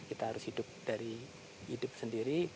kita harus hidup dari hidup sendiri